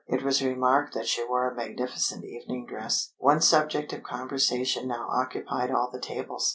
It was remarked that she wore a magnificent evening dress. One subject of conversation now occupied all the tables.